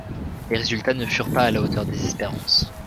Les résultats ne furent pas à la hauteur des espérances.